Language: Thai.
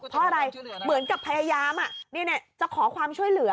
เพราะอะไรเหมือนกับพยายามจะขอความช่วยเหลือ